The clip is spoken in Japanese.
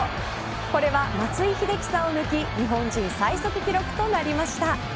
これは松井秀喜さんを抜き日本人最速記録となりました。